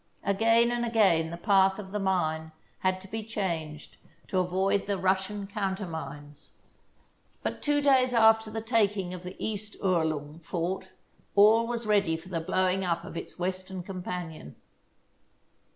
Again and again the path of the mine had to be changed to avoid the Russian coun termines. But two days after the taking of the East Uhrlung fort all was ready for the blowing up of its western companion.